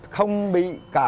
không bị cả